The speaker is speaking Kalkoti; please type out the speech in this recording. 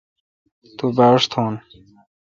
تو باݭ تھون